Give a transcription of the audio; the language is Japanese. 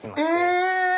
え⁉